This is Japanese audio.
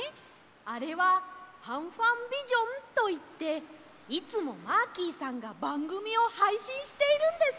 あれはファンファンビジョンといっていつもマーキーさんがばんぐみをはいしんしているんです。